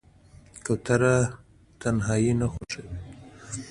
کوتره تنهایي نه خوښوي.